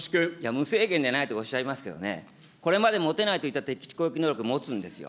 無制限でないとおっしゃいますけどね、これまで持てないといった敵基地攻撃能力を持つんですよ。